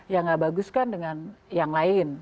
ya nggak bagus kan dengan yang lain